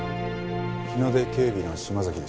日ノ出警備の島崎です。